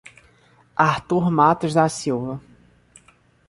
Arthur Matos da Silva